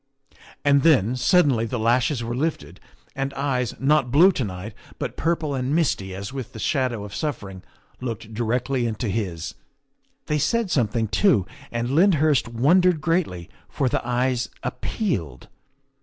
And then, suddenly, the lashes were lifted and eyes, not blue to night, but purple and misty as with the shadow of suffering, looked directly into his. They said something too, and Lyndhurst wondered greatly, for the eyes appealed.